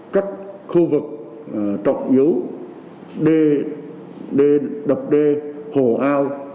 các khu vực trọng yếu đập đê hồ ao